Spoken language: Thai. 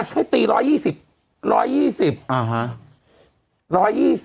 ให้ตี๑๒๐บาท